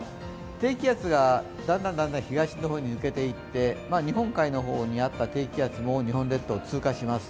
低気圧がだんだん東の方に抜けていって日本海の方にあった低気圧も日本列島を通過します。